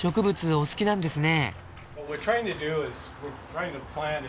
お好きなんですね。